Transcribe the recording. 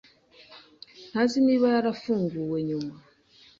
ntazi niba yarafunguwe nyuma